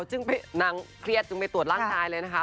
ซึ่งนางเครียดจึงไปตรวจร่างกายเลยนะคะ